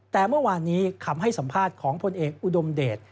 แต่เมื่อวานนี้คำให้สัมภาษณ์ของพลเอกอุดมเดช